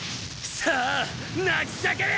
さぁ泣き叫べ！